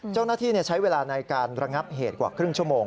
เจ้าหน้าที่ใช้เวลาในการระงับเหตุกว่าครึ่งชั่วโมง